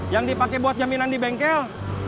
yang dipakai buat jaminan di bengkel